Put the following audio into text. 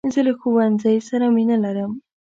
زه له ښوونځۍ سره مینه لرم .